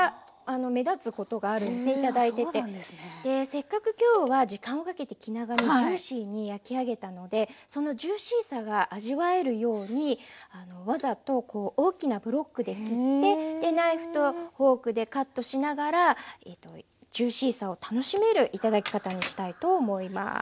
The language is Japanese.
せっかく今日は時間をかけて気長にジューシーに焼き上げたのでそのジューシーさが味わえるようにわざと大きなブロックで切ってナイフとフォークでカットしながらジューシーさを楽しめる頂き方にしたいと思います。